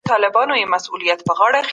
مکناتن د خپلو چارواکو په وړاندې بې وسه شو.